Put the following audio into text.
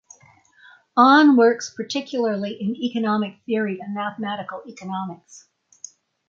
Ahn works particularly in economic theory and mathematical economics.